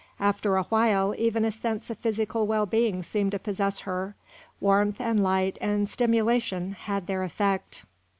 After a while even a sense of physical well being seemed to possess her; warmth and light and stimulation had their effect.